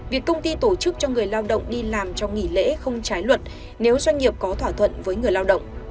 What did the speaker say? việc công ty tổ chức cho người lao động đi làm trong nghỉ lễ không trái luật nếu doanh nghiệp có thỏa thuận với người lao động